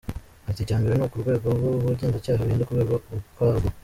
Ati “Icya mbere ni uko urwego rw’Ubugenzacyaha ruhinduka urwego ukwarwo.